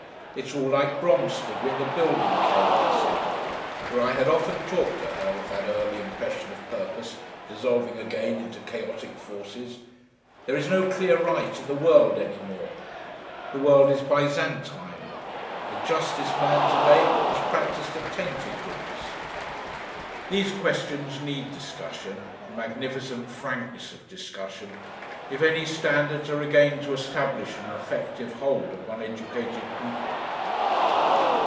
"It's all like Bromstead when the building came," I said; for I had often talked to her of that early impression of purpose dissolving again into chaotic forces. "There is no clear right in the world any more. The world is Byzantine. The justest man to day must practise a tainted goodness." These questions need discussion a magnificent frankness of discussion if any standards are again to establish an effective hold upon educated people.